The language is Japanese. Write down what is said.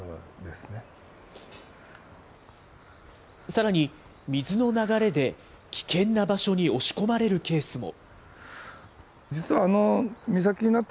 さらに、水の流れで危険な場所に押し込まれるケースも。